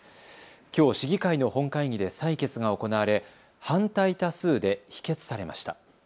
きょう、市議会の本会議で採決が行われ反対多数で否決されました。